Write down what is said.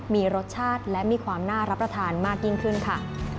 มีรสชาติและมีความน่ารับประทานมากยิ่งขึ้นค่ะ